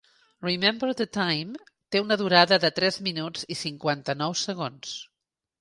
"Remember the Time" té una durada de tres minuts i cinquanta-nou segons.